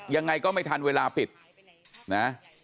ยังไงก็ไม่ทันเวลาปิดนะ